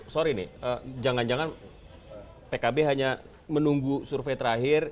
sorry nih jangan jangan pkb hanya menunggu survei terakhir